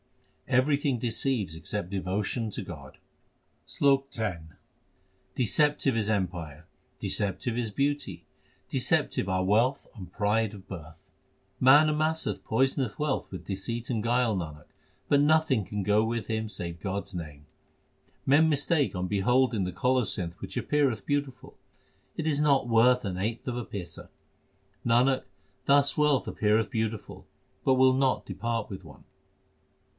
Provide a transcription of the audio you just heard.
Everything deceives except devotion to God : SLOK X Deceptive is empire, deceptive is beauty, deceptive are wealth and pride of birth. Man amasseth poisonous wealth with deceit and guile, Nanak, but nothing can go with him save God s name. Men mistake on beholding the colocynth which appeareth beautiful It is not worth an eighth of a paisa ; Nanak, thus wealth appeareth beautiful, but will not depart with one.